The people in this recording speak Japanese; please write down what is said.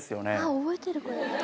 覚えてるこれ。